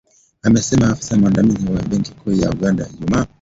Amesema afisa mwandamizi wa benki kuu ya Uganda, Ijumaa.